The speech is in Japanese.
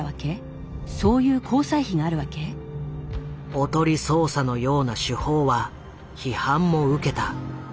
「おとり捜査」のような手法は批判も受けた。